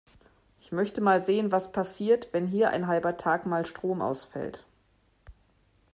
Ich möchte mal sehen, was passiert, wenn hier ein halber Tag mal Strom ausfällt.